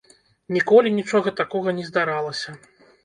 Ніколі нічога такога не здаралася.